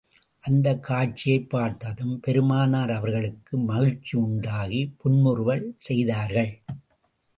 அந்தக் காட்சியைப் பார்த்ததும் பெருமானார் அவர்களுக்கு மகிழ்ச்சி உண்டாகி, புன்முறுவல் செய்தார்கள்.